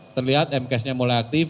terlihat m cache nya mulai aktif